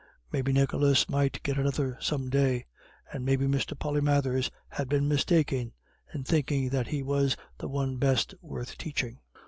Maybe Nicholas might get another some day. And maybe Mr. Polymathers had been mistaken in thinking that he was the one best worth teaching.